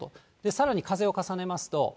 さらに風を重ねますと。